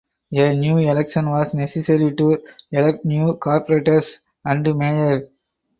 A new election was necessary to elect new Corporators and Mayor.